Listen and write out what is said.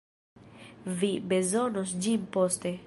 Vi bezonos ĝin poste.